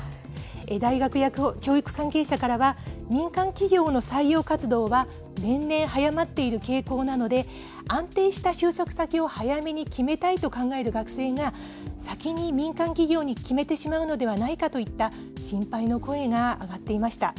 大学や教育関係者からは、民間企業の採用活動は年々早まっている傾向なので、安定した就職先を早めに決めたいと考える学生が、先に民間企業に決めてしまうのではないかといった心配の声が上がっていました。